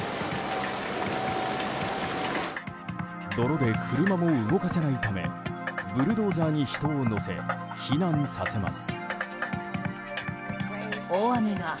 泥で車も動かせないためブルドーザーに人を乗せ避難させます。